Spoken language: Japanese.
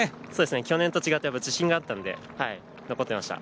去年と違って自信があったので、残ってました。